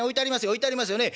置いてありますよね。